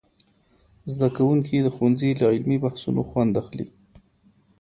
زدهکوونکي د ښوونځي له علمي بحثونو خوند اخلي.